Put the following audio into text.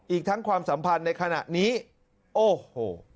อีกทั้งความสัมพันธ์ในขณะนี้โอ้โห